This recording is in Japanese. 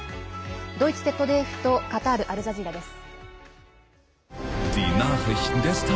ドイツＺＤＦとカタール・アルジャジーラです。